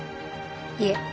いえ